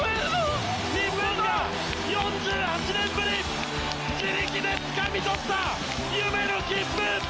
日本が４８年ぶり自力でつかみ取った夢の切符！